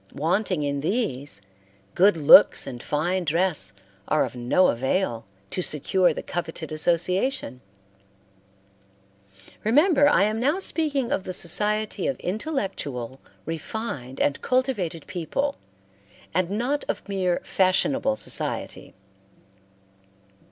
Wanting in these, good looks and fine dress are of no avail to secure the coveted association. Remember I am now speaking of the society of intellectual, refined, and cultivated people, and not of mere fashionable society.